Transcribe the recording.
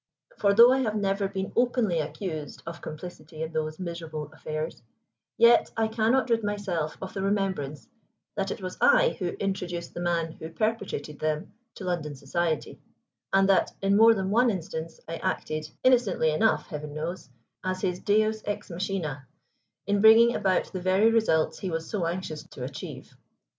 For, though I have never been openly accused of complicity in those miserable affairs, yet I cannot rid myself of the remembrance that it was I who introduced the man who perpetrated them to London society, and that in more than one instance I acted, innocently enough, Heaven knows, as his Deus ex machinâ, in bringing about the very results he was so anxious to achieve.